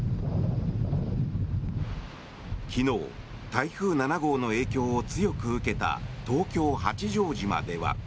昨日、台風７号の影響を強く受けた東京・八丈島では。